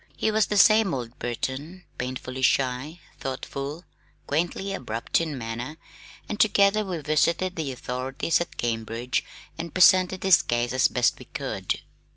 He was the same old Burton, painfully shy, thoughtful, quaintly abrupt in manner, and together we visited the authorities at Cambridge and presented his case as best we could.